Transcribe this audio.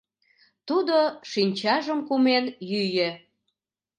Тудо, шинчажым кумен, йӱӧ.